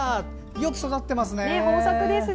よく育ってますね。